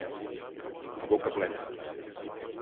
A boca plena.